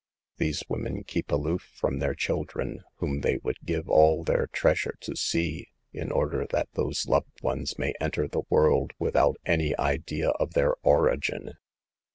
These women keep aloof from their children, whom they would give all their treasures to see, in order that those loved ones may enter the world without any idea of their origin.